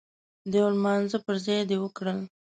د يو لمانځه پر ځای دې وکړل.